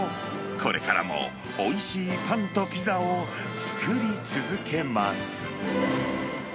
これからもおいしいパンとピザを作り続けます。